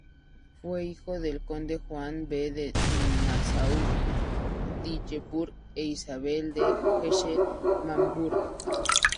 Fue el hijo del Conde Juan V de Nassau-Dillenburg e Isabel de Hesse-Marburg.